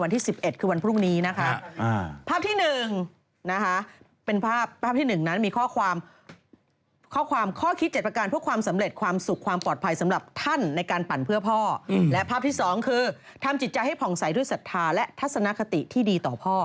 ทำจิตใจให้ผ่องใสด้วยศรัทธาและทัศนคติที่ดีต่อพ่อ